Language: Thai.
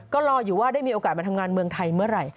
ก็รออยู่ว่าได้มีโอกาสมาทำงานเมืองไทยเมื่อไหร่